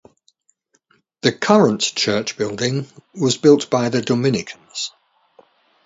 The current church building was built by the Dominicans.